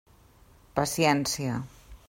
Paciència.